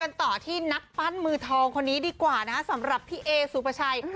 ต่อที่นักปั้นมือทองคนนี้ดีกว่านะฮะสำหรับพี่เอสุปชัย